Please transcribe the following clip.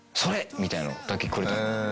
みたいのだけくれたの。